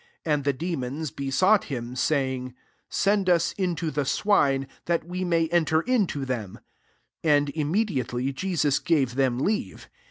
] 12 And [the demona] be sought him, sayingi ♦^ Send us into the swine, that we may en*" I ter into them." 13 And inmiie* diately [Jest^a^ gave them leave.